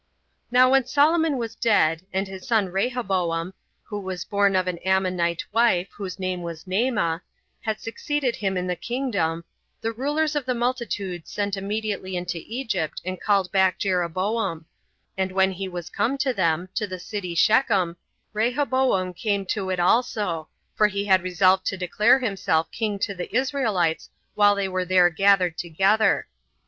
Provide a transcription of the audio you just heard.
1. Now when Solomon was dead, and his son Rehoboam [who was born of an Ammonite wife; whose name was Naamah] had succeeded him in the kingdom, the rulers of the multitude sent immediately into Egypt, and called back Jeroboam; and when he was come to them, to the city Shethem, Rehoboam came to it also, for he had resolved to declare himself king to the Israelites while they were there gathered together.